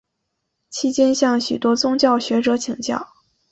期间向许多宗教学者请教。